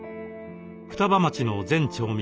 双葉町の全町民